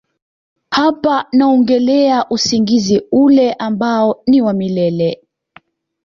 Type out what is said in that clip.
hapana naongelea usingizi ule ambao ni wa milele